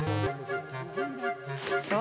そう。